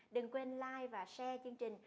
đừng quên like và share chương trình